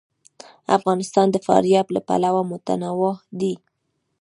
افغانستان د فاریاب له پلوه متنوع دی.